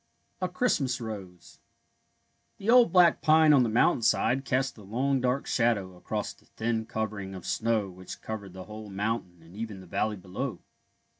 A CHRISTMAS ROSE The old black pine on the mountainside cast a long dark shadow across the thin covering of snow which covered the whole mountain and even the valley below.